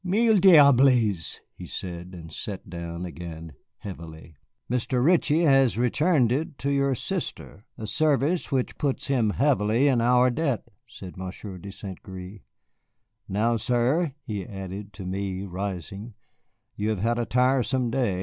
"Mille diables!" he said, and sat down again heavily. "Mr. Ritchie has returned it to your sister, a service which puts him heavily in our debt," said Monsieur de St. Gré. "Now, sir," he added to me, rising, "you have had a tiresome day.